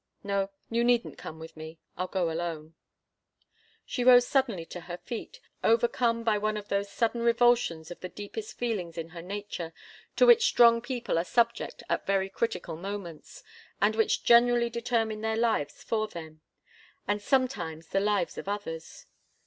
No you needn't come with me. I'll go alone." She rose suddenly to her feet, overcome by one of those sudden revulsions of the deepest feelings in her nature, to which strong people are subject at very critical moments, and which generally determine their lives for them, and sometimes the lives of others.